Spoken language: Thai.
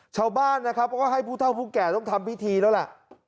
ชาวบ้านนะครับก็ให้ผู้เท่าผู้แก่ต้องทำพิธีแล้วล่ะ